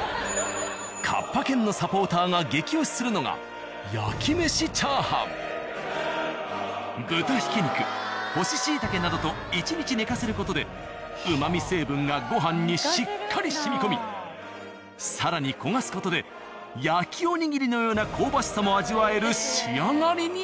「河童軒」のサポーターが激推しするのが豚ひき肉干ししいたけなどと１日寝かせる事で旨味成分がご飯にしっかり染み込み更に焦がす事で焼きお握りのような香ばしさも味わえる仕上がりに。